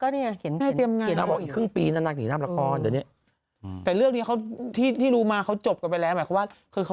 นะเห็นไงเตรียมงานอยู่